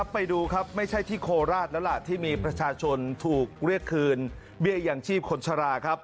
ไปดูครับไม่ใช่ที่โคราชแล้วล่ะที่มีประชาชนถูกเรียกคืนเบี้ยอย่างชีพคนชราครับ